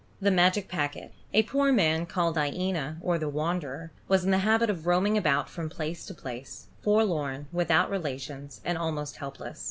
THE MAGIC PACKET |A POOR man, called Iena, or the Wanderer, was in the habit of roaming about from place to place, forlorn, without relations, and almost helpless.